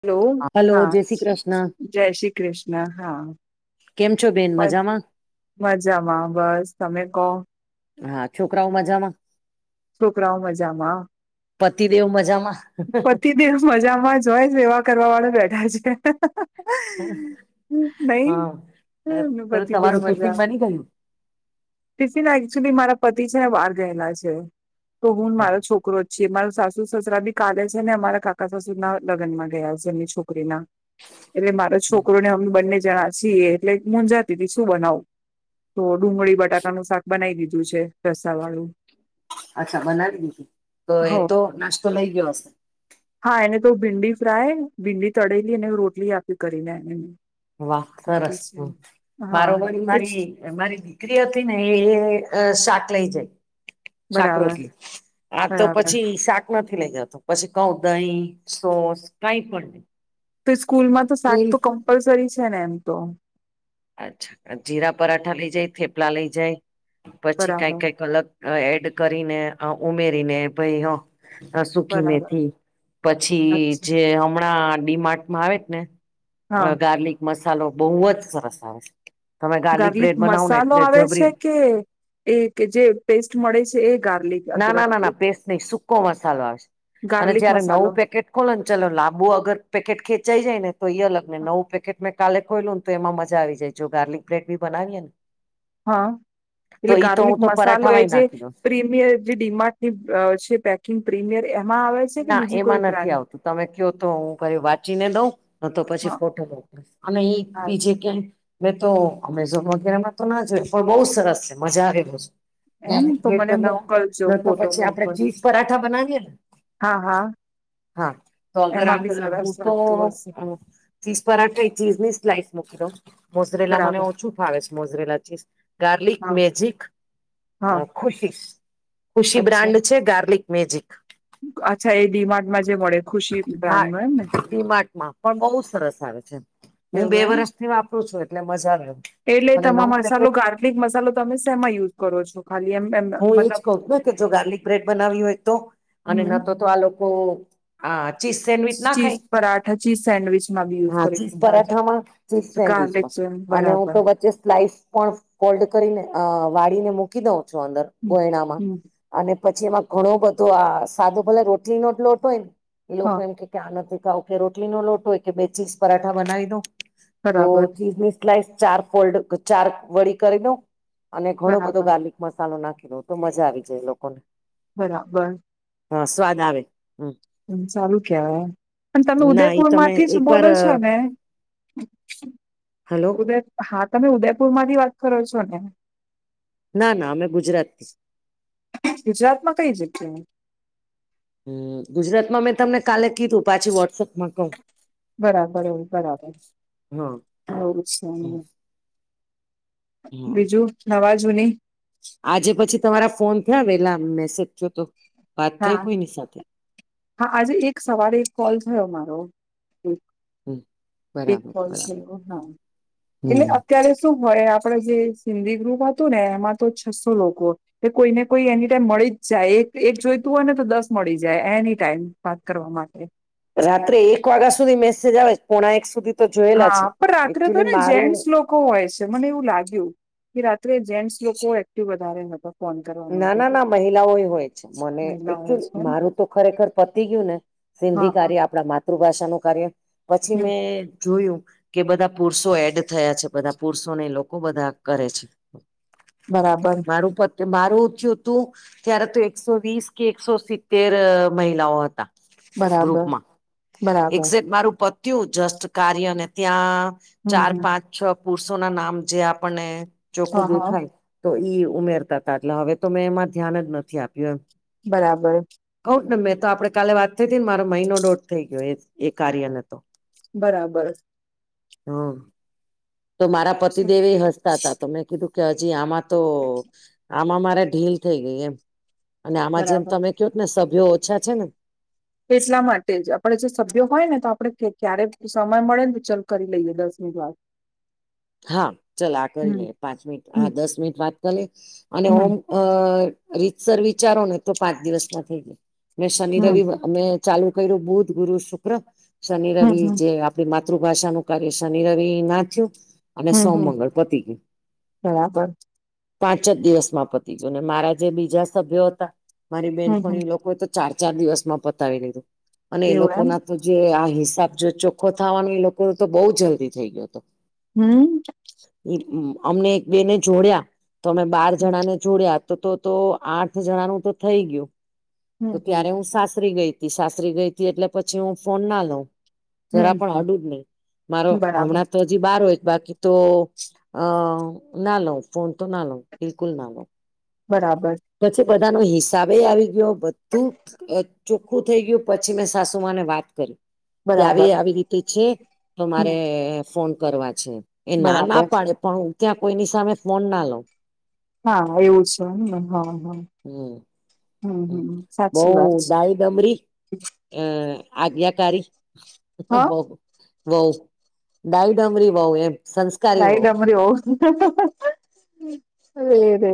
Hello, hello હા જય શ્રી કૃષ્ણ જય શ્રી કૃષ્ણ હા. કેમ છો બેન બસ મઝામાં. મજામાં બસ તમે કહો. હા છોકરાઓ મજામાં છોકરાઓ મજામાં. પતિદેવ મજામાં? પતિદેવ મજામાં જ‌ ઓય સેવા કરવા વાળા બેઠા છે. નઈ, હા હ ને તો પતિદેવ તમારું ટિફિન મજામાં. બની ગયું ટિફિનઆ એકચુલી મારા પતિ છે ને બાર ગયેલા છે. તો હું ન મારો છોકરો જ છીએ, મારા સાસુ-સસરા બી કાલે છે ને અમારા કાકા સસુરના લગનમાં ગયા છે એમની છોકરીના. એટલે મારો છોકરોને અમે બંને જણા છીએ એટલે મુંજાતી અતી શું બનાવું. તો ડુંગળી-બટાકાનું શાક બનાઈ દીધું છે રસા વાળું. અચ્છા, બનાવી દીધુ. તો એ હો તો નાસ્તો લઈ ગીયો હશે. હા, એને તો ભીંડી ફ્રાય, ભીંડી તળેલી અને રોટલી આપી કરીને એને. વાહ, બાકી સરસ છે હા મારો [unintelligible] એજ મારી. મારી દીકરી હતીને એ અ શાક લઈ જાય. બરાબર શાક-રોટલી, આ તો બરાબર પછી શાક નથી લેઈ જાતો, પછી કૌઉ દઈ, સોસ કાઈ પણ નઈ. તો સ્કૂલમાં તો શાક તો કમ્પલસરી છે ને એમ તો. અચ્છા, જીરા પરાઠા લેઈ જાય, થેપલા લેઈ જાય, પછી બરાબર કાઈ કાઈક અલગ. અ એડ કરીને, અ ઉમેરીને, ભઈ, હ, અ સૂખી બરાબર મેથી, પછી અચ્છા જે હમણાં ડીમાર્ટ મા આવેક ને, હા અ ગાર્લિક મસાલો બઉવ જ સરસ આવે છે. તમે ગાર્લિક બ્રેડ બનાવો ને મસાલો એટલે આવે છે જબરી કે એ કે જે પેસ્ટ મળે છે એ ગાર્લિક? ના અદરક -ના- ના -ના, પેસ્ટ નઈ, સૂકો મસાલો આવે છે અને ગાર્લિક જયારે મસાલો નવું પેકેટ ખોલને ચલો લાંબુ અગર પેકેટ ખેંચાઈ જાય ને તો, ઈ અલગ ને નવું પેકેટ મે કાલે ખોયલું ને તો એમાં મજા આવી જાય, જો ગાર્લિક બ્રેડ ભી બનાવીએ ને? હા, તો એટલે ઈ તો હું ગાર્લિક તો મસાલો એ પરાઠામાંય જે નાખી દઉં પ્રીમિયર જે ડીમાર્ટની અ છે પેકિંગ પ્રીમિયર એમાં આવે છે? કે ના, બીજી કોઈ એમાં નથી બ્રાન્ડ આવતું, તમે ક્યો તો હું કઈ વાંચીને દઉં, કાતો પછી હા ફોટો મોકલું? અને ઈ હા બીજે ક્યાંય મેં તો અમેઝોન વગેરેમાં તો ના જોય પણ બઉ સરસ છે, મજા આવે દોસ એમ ગાર્લિક તો બ્રેડ મને બનાવો મોકલજો ન તો ફોટો પછી આપડે મોકલ ચીઝ પરાઠા બનાવીયે ને? હા હા. હા તો અગર એમાં બી આપડે હું સરસ તો લાગતું હશે અ ચીઝ પરાઠા એક ચીઝની સ્લાઇસ મુંકી દઉ મોઝરેલા મને બરાબર ઓછું ફાવે છે, મોઝરેલા ચીઝ, ગાર્લિક હા મેજિક અ હા ખુશીસ ખુશી અચ્છા બ્રાન્ડ છે, ગાર્લિક મેજિક. અચ્છા એ ડીમાર્ટ માં જે મળે ખુશી હા બ્રાડનું એમ ને? ડીમાર્ટમાં પણ બહુ એવું એમ? તે વાપરું છું એટલે મજા લેમ એટલે તમા મસાલો, ગાર્લિક મસાલો તમે શેમાં યુઝ કરો છો? ખાલી એમ એમ મતલબ પકવે કે જો ગાર્લિક બ્રેડ બનાવી હોય તો અને હમ ના તો તો આ લોકો આ ચીઝ સેન્ડવીચના ચીઝ ખાય પરાઠા ચીઝ સેન્ડવીચમાં બી યુઝ હા કરી ચીઝ હા પરાઠામાં ચીઝ, ગાર્લિક સેન્ડવીચમાં છે અને હું બરાબર તો વચ્ચે સ્લાઈસ પણ કોલ્ડ કરીને અ વાળીને મૂકી દઉ છું અંદર હમ ગોયણામાં હમ અને પછી એમાં ઘણો બધો આ સાદો ભલે રોટલી નો જ લોટ ઓય ન, એ હા લોકો એમ કે કે આ નથી ખાઉ કે રોટલીનો લોટો ઓય કે બે ચીઝ પરાઠા બનાવી દઉ? તો બરાબર ચીઝની સ્લાઇસ ચાર ફોલ્ડ, ચાર વળી કરી દઉ, અને ઘણો બધો બરાબર ગાર્લિક મસાલો નાખી દો તો મજા આવી જાય લોકો ને બરાબર. હા સ્વાદ આવે. હમ સારું કહેવાય અન તમે ના એ ઉદયપુર તમે માંથી જ એક વાર બોલો છો ને? હાલો. ઉદય હા તમે ઉદયપુર માંથી વાત કરો છો ને? ના ના અમે ગુજરાતથી ગુજરાતમાં કઈ જગ્યાએ? હ ગુજરાતમાં મેં તમને કાલે કીધું પાછી વોટ્સપમાં કઉું બરાબર એવુ બરાબર હા એવુ છે, એમ ને હા બીજું નવા જૂની આજે પછી તમારા ફોન થયા વેલા મેસેજ થયો તો વાત હા થય કોઈની સાથે? હા આજે એક સવારે એક કોલ થયો મારો હમ એક બરાબર કોલ બરાબર થયો હા એટલે હમ અત્યારે શું હોય આપડે જે સિંધી ગ્રુપ હતું ને એમાં તો છસો લોકો તે કોઈને કોઈ એની ટાઈમ મળી જ જાય એક એક જોઈ તું અને તો દસ મળી જાય એની ટાઈમ વાત કરવા માટે રાત્રે એક વાગા સુધી મેસેજ આવે પોણા એક સુધી તો જોયેલા હા છે પણ રાત્રે એકચુલી તોને મારું જેન્ટસ લો કો હોય છે, મને એવું લાગ્યું કે રાત્રે જેન્ટસ લોકો એક્ટિવ વધારે નત ના ના ના મહિલાઓ હોય મને મહિલાઓ હોય એક્ચ્યુલ છે મારું તો ખરેખર પતી ગયું ને સિંધી હા હા કાર્ય આપણા માતૃભાષાનું કાર્ય પછી હમ મેં જોયું કે બધા પુરુષો એડ થયા છે, બધા પુરુષોને એલોકો બધા કરે છે. બરાબર. મારું પ મારું ઊ થયું હતું ત્યારે તો એકસો વીસ કે એકસો સિત્તેર મહિલાઓ હતા. બરાબર. બરાબર એક્ઝેકટ મારું પત્યું જસ્ટ કાર્યને ત્યાં હમ ચાર હમ પાંચ છ પુરુષો ના નામ જે આપણને ચોખ્ખું હા હા દેખાય તો ઈ ઉમેરતા એટલે હવે તો મેં એમાં ધ્યાન આપ્યું એમ. બરાબર. કઉ ને મેં તો આપડે કાલે વાત થઈ હતી ને મારો મહિનો દોઢ થઈ ગયો એ કાર્ય ને તો. બરાબર. હ. તો મારા પતિદેવ એ હસતા હતા તો મેં કીધું કે હજી આમાં તો આમાં મારા ઢીલ થઈ ગઈ એમ અને આમાં જેમ બરાબર તમે કહોત ને સભ્યો ઓછા છે ને એટલા માટે જ આપણેે જે સભ્ય હોય ને તો આપડે ક્યારે સમય મળે ને ચાલ કરી લઈએ દસ મિનટ વાર. હા ચાલ આ કરી હમ લે પાંચ મિનિટ હા હમ દસ મિનિટ વાત કરી લે અને ઓમ હમ અ રીતસર વિચારો ને તો પાંચ દિવસમાં થઈ જાય શનિ હમ રવિ અમે. ચાલુ કર્યું બુધ, ગુરુ, શુક્ર, શનિ હમ રવિ હમ જે તે માતૃભાષાનુંકાર્ય શનિ રવિ મા થયું. અને હમ સોમ, હમ મંગળ પતિ ગયું. બરાબર પાંચ જ દિવસમાં પતી ગય અને મારા જે બીજા સભ્યો હતા મારી હમ હમ બેનપણી લોકો તો ચાર ચાર દિવસમાં પતાવી લીધું અને એ એવું લોકો એમ ના તો જે આ હિસાબ જો ચોખ્ખો થવાનો એ લોકો તો બહુ જલ્દી થઈ ગયો હતો. હમ. અમને એક બે ને જોડયા તો અમે બાર જણા ને જોડયા. તો તો આઠ જણા નું તો થઈ ગયું હમ તો ત્યારે હું સાસરી ગઈ. ઈ સાસરી ગઈ તી એટલે પછી હું ફોન ના લઉ. જરા હમ પણ હમ અડું જ નહી મારો બરાબર હમણાં તો જ ઈ બાર હોય બાકી તો અ ના લઉ ફોન તો ના લઉ બિલકુલ ના લઉ. બરાબર. પછી બધાનો હિસાબે આવી ગયો, બધું. ચોખ્ખું થઈ ગયું પછી મેં સાસુમાને વાત કરી. ક્યારે બરાબર આવી રીતે છે તો હમ મારે ફોન કરવા છે. એ ના ના બરાબર પાડે પણ હું ત્યાં કોઈની સામે ફોન ના લઉં. હા એવું છ નઈ [unintelligible] હમ બઉ વાત છે ડાઈ ડમરી. અ આજ્ઞાકારી હા બહુ. વહુ ડાઈ ડમરી વહુ એમ. ડાઈ ડમરી વહુ.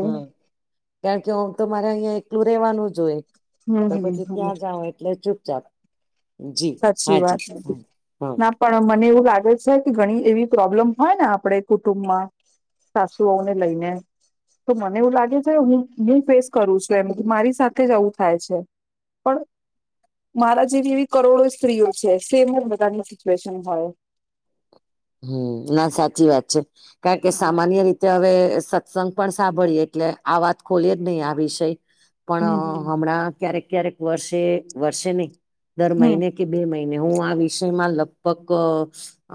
હમ કારણ કે હું તો મારે અહિયાં એકલું રહેેવાનું જ હોય. તો હમ પછી હમ ત્યાં જાઊ એટલે ચુપચાપ. જી સાચી હાજી વાત લાગી. હા ના પણ મને એવું લાગે છે કે, ઘણી એવી પ્રોબ્લેમ હોય ને આપણે કુટુંબમાં. સાસુ વહુ ને લઈને. તો મને એવું લાગે છે, હ હું ફેસ કરું છુ એમ કે મારી સાથે જવું થાય છે. પણ, મારા જેવી એવી. કરોડો સ્ત્રીઓ છે. સેમ જ બધાની સિચ્યુએશન હોય. હમ ના સાચી વાત છે કારણ કે હા સામાન્ય રીતે હવે સત સંગ પણ સાંભળીએ એટલે આ વાત ખોલી એ જ નહી આ વિષયને હમ પણ હમ હમણાં ક્યારેક ક્યારેક વર્ષે વર્સે નહી દર હમ મહિને કે બે મહિને હું આ વિષયમાં લગભગ અ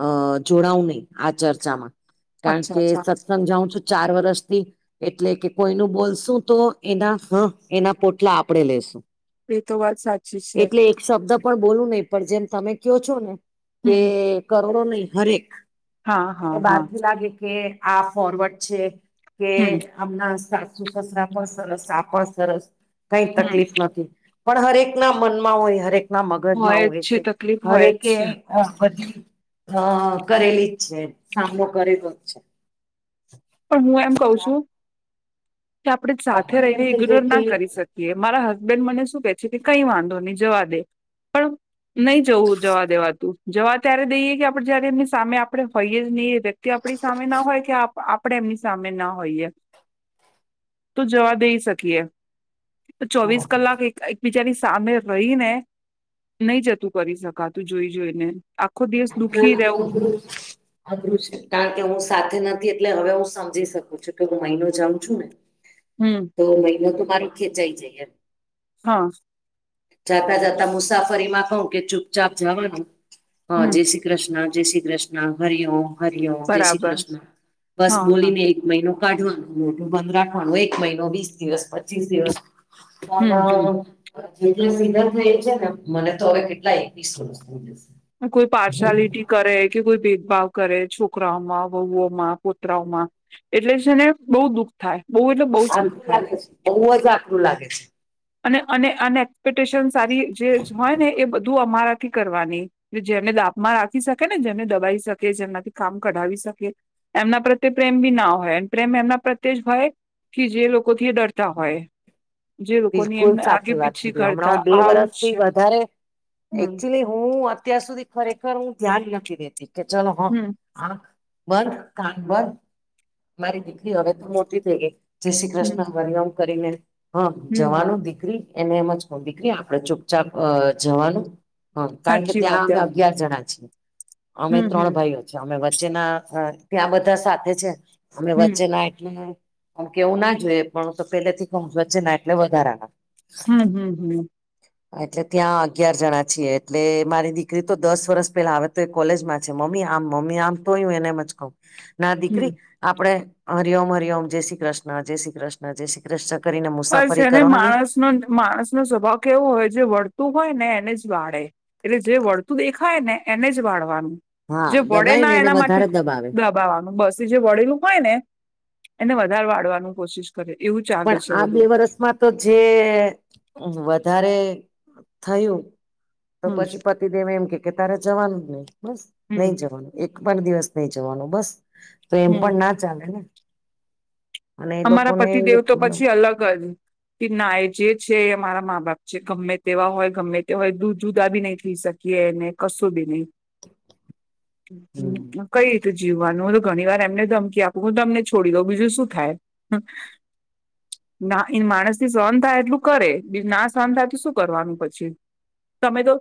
અ જોડાવું નહી આ ચર્ચામાં કારણ અચ્છા કે અચ્છા સત્સંગ જાઉં છું ચાર વર્ષથી એટલે કે કોઈનું બોલશું તો એના હ એના પોટલા આપણેે લેેશું એ તો વાત સાચી છે. શબ્દ પણ બોલું નહી પણ જેમ તમે કો છો ને કે હમ કરોડો નહી હરેક હા હા બહાર હા થી લાગે કે આ ફોરવડ છે કે હમ આમના સાસુ સસરા પણ સરસ આ પણ સરસ કઈ હમ તકલીફ નથી. પણ હરેક ના મનમાં હોય હરેક ના મગજમાં આવુ જ હોય છે તકલીફ હોય હરેકે જ છે હા બધી અ કરેલી જ છે સામનો કરેલો જ છે. પણ હું એમ કઉ પણ છું કે આપણે સાથે આપણને એમ રહીને થઈ ઇગ્નોર જાય કે ના અ, કરી શકીએ. કે મારા હસબન્ડ મને શું કે છે કે કઈ વાંધો નહી જવા દે પણ નહી જવું જવા દેવા તું જવા ત્યારે દઈએ કે આપડે જયારે એમની સામે આપડે હોઈએ જ નહીએ તે આપણી સામે ના હોય કે આપ આ પણ એમની સામે ના હોઈએ તો જવા દઈ શકીએ. ચોવીસ ના, કલાક એક બિજાની સામે રહીને નઈ જતું કરી શકાતું જોઈ જોઈને આખો દિવસ દુઃખી ના, રહેવું અઘરું અઘરું છે કારણ કે હું સાથે નથી એટલે હવે હું સમજી શકું છું કે હું મહિનો જાઉં છું ને હમ્મ. તો મહિનો તો મારો ખેંચાઈ જાય એમ હા. જાતા જતા મુસાફરી માં કઉ કે ચુપચાપ જવાનું હ હમ જેસી કૃષ્ણ જય શ્રી કૃષ્ણ હરિ ઓમ હરિ ઓમ જય શ્રી બરાબર કૃષ્ણ બસ હા હા બોલીને એક મહિનો કાઢવાનું મોઢુ બંધ રાખવાનું એક મહિનો વીસ દિવસ પચીસ દિવસ હમ હમ [unintelligible] સીધા થઈ છે ને મને તો હવે કેટલા એકવીસો થઈ જશે કોઈ પાર્શલિટી કરે કે કોઈ ભેદભાવ કરે છોકરાઓમાં વહુઓમાં પુત્રરાઓમાં એટલે છે ને બહુ દુઃખ થાય બહુ એટલે બહુ જ આકરું દુઃખ થાય લાગે છે બહુ જ આકરું લાગે છે. અને અને અને એક્સપેક્ટેશન સારી જે હોય ને એ બધું અમારા નક્કી કરવાની જેમને દાબમાં રાખી શકે ને જેમને દબાવી શકે જેમનાથી કામ કઢાવી શકે એમના પ્રત્યે પ્રેમ ભી ના હોય પ્રેમ એમના પ્રત્યે જ હોય થી જે લોકો થી ડરતા હોય જે લોકોની બિલકુલ એમ આગે સાચી વાત પીછી કીધી હમણાં કરતા હું બે આવું જ વરષથી છે વધારે હમ એકચુલી હું અત્યાર સુધી ખરેખર હું ધ્યાન નથી દેતી કે ચલો હા. હમ આંખ બંધ કાન બંધ મારી દીકરી હવે મોટી થઈ ગઈ જય શ્રી હમ કૃષ્ણ વંદન કરીને હમ્મ હમ હમ જવાનું દીકરી એને એમજ કઉ દીકરી આપડે ચુપચાપ જવાનું હમ્મ કારણ કે સાચી ત્યાં વાત અમે એમ અગિયાર જણા છીએ અમે હમ ત્રણ હમ ભાઈઓ અમે વચ્ચેના ત્યાં બધા સાથે છે અમે હમ વચ્ચેના એટલે મ કે એવું ના જોઈએ પણ તો પેલેથી કવ વચે ના એટલે વધારા ના હમ હમ હમ એટલે ત્યાં અગિયાર જણા છીએ એટલે મારી દીકરી તો દસ વર્ષ પેલા આવે તો કોલેજમાં છે મમ્મી આમ મમ્મી આમ તોયું એને એમ જ કહુ ના દીકરી હમ આપડે હરિ ઓમ, હરિ ઓમ, જય શ્રી કૃષ્ણ, જય શ્રી કૃષ્ણ જય શ્રી કૃષ્ણ કરીને મુસાફરી કરવાની. ન માણસનો સ્વભાવ કેવો હોય જે વળતું હોય ને એને જ વાળે. એટલે જે વળતું દેખાયને એને જ વાળવાનું. હા જે દબાય વડેના ને એને એના માટે વધારે દબાવે દબાવાનું બસ. જે વળેલું હોય ને એને વધારે વાળવાનું કોશિશ કરે એવું ચાલે પણ છે આ વધુ બે વર્ષમાં તો જે વધારે થયું. તો હમ પછી પતિદેવ એમ કે કે તારે જવાનું જ નહી બસ. હમ નહી જવાનું. એક પણ દિવસ નહિ જવાનું બસ તો એમ હમ પણ ના ચાલેને. અમારા પતિદેવ તો પછી અલગ જ. કે ના એ જે છે એ અમારા મા બાપ છે ગમે તેવા હોય ગમે તે હોય દુ જુદા ભી નહી થઈ શકે. કેને કશું ભી નહી. હમ કઈ રીતે જીવવાનું ઘણી વાર એમને ધમકી આપું હું તમને છોડી દઉં બીજું શું થાય. [unintelligible] ના, ઈ માણસથી સહન થાય એટલું કરે બીજું ના સહન થાય તો શું કરવાનું પછી. તમે તો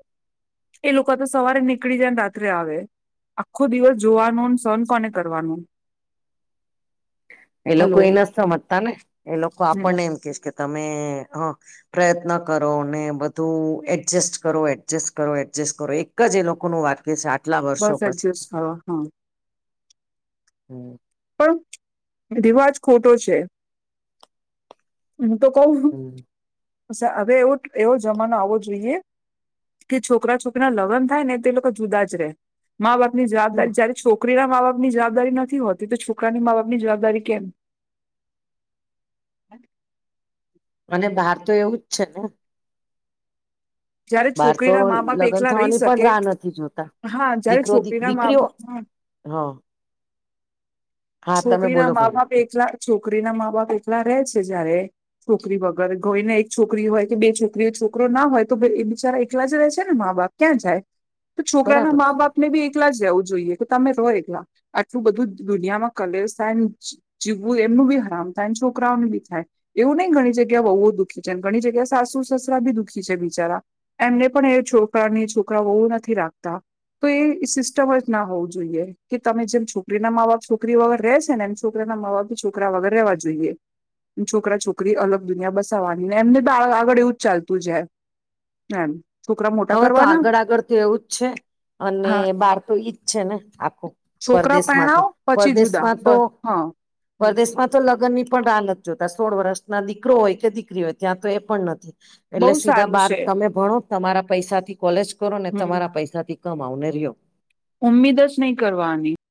એ લોકો તો સવારે નીકળી જાયને રાત્રે આવે. આખો દિવસ જોવાનું અને સહન કોને કરવાનું. એ લોકો હલો એના સમજતાને એ લોકો હમ આપણને એમ કેશ કે તમે હ પ્રયત્ન કરો ને બધું એડજસ્ટ કરો એડજસ્ટ કરો એડજસ્ટ કરો એક જ એ લોકોનું વાત કે સાટલા વર્ષો બસ પછી, એડજસ્ટ થવા હા હમ. પણ દીવાજ ખોટો છે, હું તો કઉ... હમ.. હવે એવો એવો જમાનો આવો જોઈએ. કે છોકરા છોકરાના લગ્ન થાયને તે લોકો જુદા જ રહેે. મા બાપની હમ જવાબદારી જયારે છોકરીના મા બાપની જવાબદારી નથી હોતી. તેતો છોકરાની મા બાપની જવાબદારી કેમ. અને બાહર તો એવું જ છે ને. જયારે બહાર તો છોકરીના મા બાપ લગ્ન એકલા રય થવાની પણ શકે રાહ નથી જોતા હા, જયારે દીકરો દી છોકરી ના મા દીકરીઓ [unintelligible] હ. હા તમે છોકરીના બોલો મા ભલે બાપ એકલા, છોકરીના મા બાપ એકલા રે છે જારે છોકરી વગર કોઈને એક છોકરી હોય કે બે છોકરી, છોકરો ના હોય તો બે એ બિચારા એકલા જ રે છે ને મા બાપ. ક્યાં જાય તો છોકરાના બરાબર મા છે બાપને બી... એખલા જ રેવું જોઈએ તો તમે રહો એકલા, આટલું બધું દુનિયામાં... કલેશ થાય ન જીવું એમનું બી હરામ થાય ને છોકરાઓનું બી થાય. એવું નય ઘણી જગ્યા વંવો દુખી છેને ઘણી જગ્યાએ સાસુ સસરા બી દુઃખી છે બિચારા. એમને પણ એ છોકરાની છોકરાઓ વહું નથી રાખતા. તો એઈ સિસ્ટમ જ ના હોવું જોઈએ, કે તમે જેમ છોકરીના મા બાપ છો કરી વગર રે છે ને એમ છોકરાના મા બાપ બી છોકરા વગર રેવા જોઈએ. છોકરા છોકરી અલગ દુનિયા બસવાનીને એમને બાળ આગળ એવું જ ચાલતું જાય. નેમ. હવે તો આગળ આગળ તો એવું જ છે. અને હા બાર તો ઈજ છે ને આખું, પરદેશમાં તો પરદેશમાં તો... હ. પરદેશ માં તો લગ્નની પણ રાહ નથ જોતા, સોળ વર્ષના દીકરો હોય કે દીકરી હોય ત્યાં તો એ પણ ન થી. એટલે બહુ સીધા સારું બાર છે તમે ભણો, તમારા પૈસા થી કોલેજ કરો, ને હમ તમારા પૈસા થી કમાઓ, ને રિઓ. ઉમ્મીદ જ નય કરવાની.